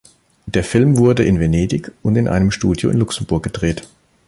Der Film wurde in Venedig und in einem Studio in Luxemburg gedreht.